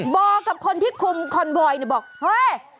บอกกับคนที่คุมคอนโบยบอกเฮ้ย